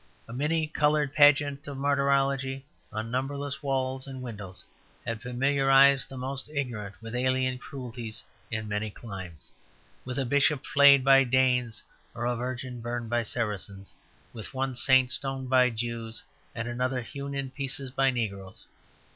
A many coloured pageant of martyrology on numberless walls and windows had familiarized the most ignorant with alien cruelties in many climes; with a bishop flayed by Danes or a virgin burned by Saracens, with one saint stoned by Jews and another hewn in pieces by negroes.